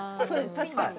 確かに。